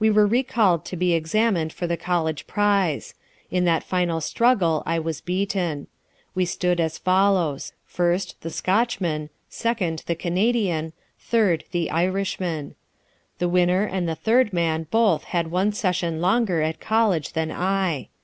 We were recalled to be examined for the college prize. In that final struggle I was beaten. We stood as follows: First, the Scotchman; second, the Canadian; third, the Irishman. The winner and the third man both had one session longer at college than I.